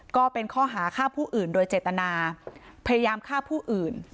ก็เป็นข้อหาฆ่าผู้อื่นโดยเจตนาพยายามฆ่าผู้อื่น